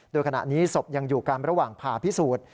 โดยขณะนี้ศพยังอยู่กันระหว่างผ่าพิสูจน์